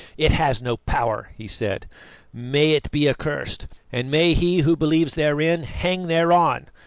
"It has no power," he said. "May it be accursed, and may he who believes therein hang thereon!